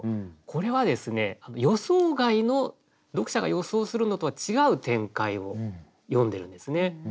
これはですね予想外の読者が予想するのとは違う展開を詠んでるんですね。